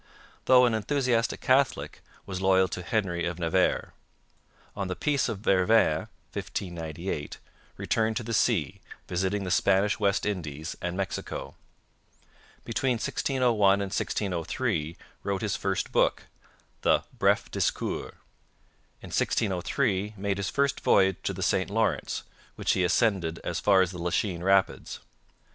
Though an enthusiastic Catholic, was loyal to Henry of Navarre. On the Peace of Vervins (1598) returned to the sea, visiting the Spanish West Indies and Mexico. Between 1601 and 1603 wrote his first book the Bref Discours. In 1603 made his first voyage to the St Lawrence, which he ascended as far as the Lachine Rapids.